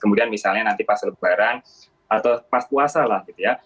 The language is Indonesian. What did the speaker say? kemudian misalnya nanti pas lebaran atau pas puasa lah gitu ya